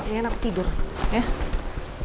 ini anakku tidur ya